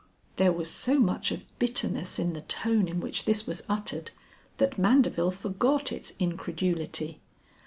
There was so much of bitterness in the tone in which this was uttered, that Mandeville forgot its incredulity.